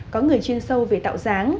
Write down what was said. có người chuyên sâu về tạo dáng